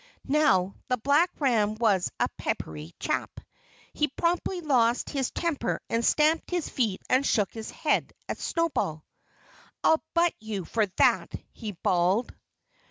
Now, the black ram was a peppery chap. He promptly lost his temper and stamped his feet and shook his head at Snowball. "I'll butt you for that!" he bawled.